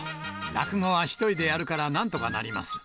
落語はひとりでやるからなんとかなります。